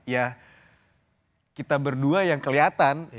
ya kita berdua yang kelihatan